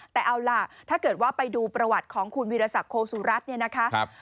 แต่เอาล่ะถ้าเกิดว่าไปดูประวัติของคุณวิทยาศักดิ์โฮสุรัสตร์